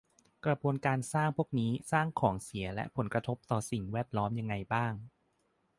กระบวนการพวกนี้สร้างของเสียและผลกระทบต่อสิ่งแวดล้อมยังไงบ้าง